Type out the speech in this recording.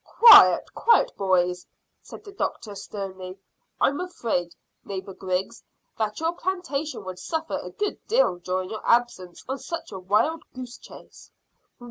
"Quiet, quiet, boys!" said the doctor sternly. "I'm afraid, neighbour Griggs, that your plantation would suffer a good deal during your absence on such a wild goose chase."